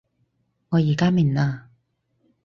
我而家明喇